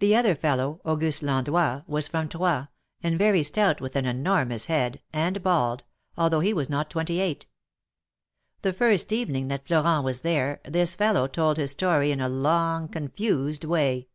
The other fellow, Auguste Landois, was from Troyes, and very stout, with an enormous head, and bald, although he was not twenty eight. The first evening that Florent was there, this fellow told his story in a long, confused way.